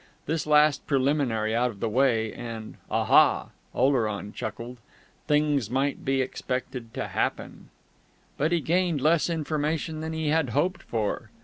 This last preliminary out of the way, and aha! Oleron chuckled things might be expected to happen! But he gained less information than he had hoped for.